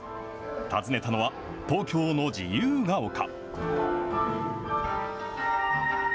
訪ねたのは、東京の自由が丘。